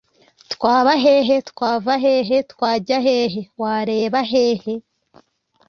twabahehe, twavahehe twajyahehe, wareba he he